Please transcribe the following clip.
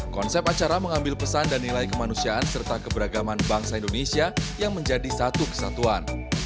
konsep acara mengambil pesan dan nilai kemanusiaan serta keberagaman bangsa indonesia yang menjadi satu kesatuan